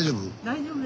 大丈夫？